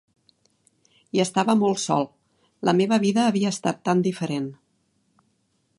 I estava molt sol; la meva vida havia estat tan diferent.